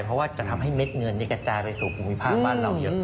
เพราะว่าจะทำให้เม็ดเงินกระจายไปสู่ความวิพากษ์บ้านเรา